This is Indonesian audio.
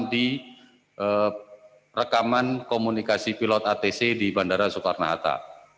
di rekaman komunikasi pilot atc di bandara soekarno hatta